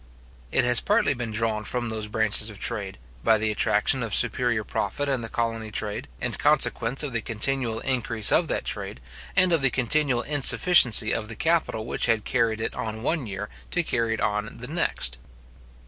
It has partly been drawn from those branches of trade, by the attraction of superior profit in the colony trade, in consequence of the continual increase of that trade, and of the continual insufficiency of the capital which had carried it on one year to carry it on the next.